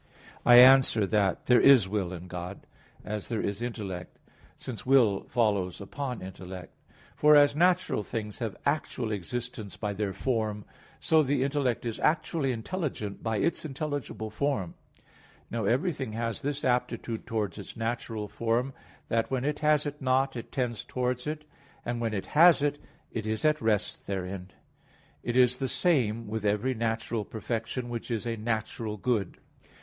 I answer that, There is will in God, as there is intellect: since will follows upon intellect. For as natural things have actual existence by their form, so the intellect is actually intelligent by its intelligible form. Now everything has this aptitude towards its natural form, that when it has it not, it tends towards it; and when it has it, it is at rest therein. It is the same with every natural perfection, which is a natural good.